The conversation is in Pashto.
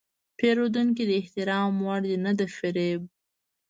پیرودونکی د احترام وړ دی، نه د فریب.